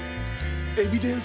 エビデンス！